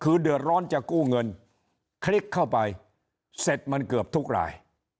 คือเดือดร้อนจะกู้เงินคลิกเข้าไปเสร็จมันเกือบทุกราย